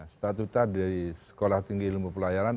statuta dari sekolah tinggi ilmu pelayaran